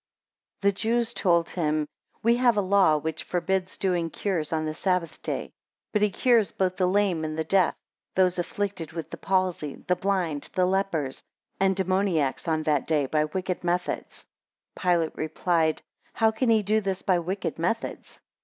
4 The Jews told him, We have a law which forbids doing cures on the Sabbath day; but he cures both the lame and the deaf, those afflicted with the palsy, the blind, the lepers, and demoniacs, on that day, by wicked methods. 5 Pilate replied, How can he do this by wicked methods?